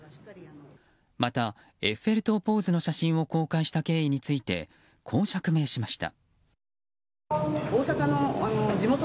またエッフェル塔ポーズの写真を公開した経緯についてこう釈明しました。